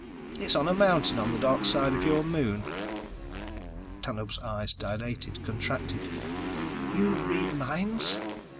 It's on a mountain on the darkside of your moon." Tanub's eyes dilated, contracted. "You read minds?"